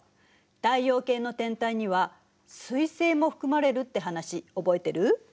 太陽系の天体には彗星も含まれるって話覚えてる？